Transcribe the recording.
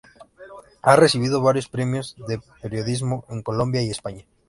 Ha recibido varios premios de periodismo en Colombia y España.